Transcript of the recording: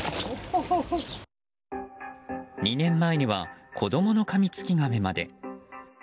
２年前には子供のカミツキガメまで。